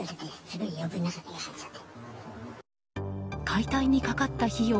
解体にかかった費用